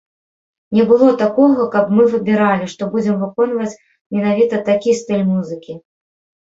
Не было такога, каб мы выбіралі, што будзем выконваць менавіта такі стыль музыкі.